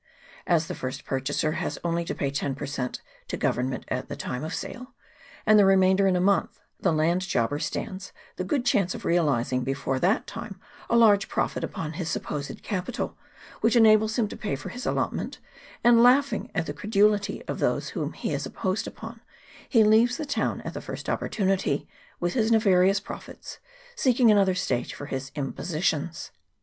As the first purchaser has only to pay 10 per cent, to Government at the time of sale, and the remainder in a month, the land jobber stands the good chance of realizing before that time a large profit upon his supposed capital, which enables him to pay for his allotment; and laughing at the credulity of those whom he has im posed upon, he leaves the town at the first oppor tunity, with his nefarious profits, seeking another stage for his impositions.